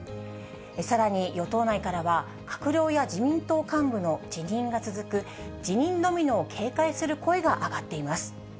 さらに、与党内からは、閣僚や自民党幹部の辞任が続く辞任ドミノを警戒する声が上がっています。